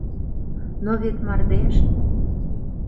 — Но вет мардеж…